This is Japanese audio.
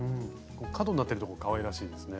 角になってるところかわいらしいですね。